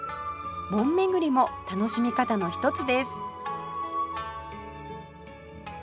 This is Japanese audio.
門巡りも楽しみ方の一つです